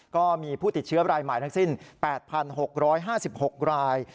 ก็มีผู้ติดเชื้อรายใหม่ทั้งสิ้น๘๖๕๖ราย